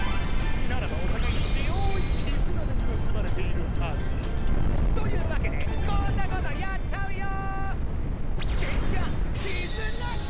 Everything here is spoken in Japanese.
ならばおたがいつよい「絆」でむすばれているはず！というわけでこんなことやっちゃうよ！